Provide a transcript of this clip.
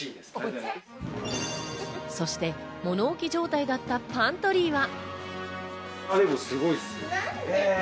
そして物置状態だったパントリーは。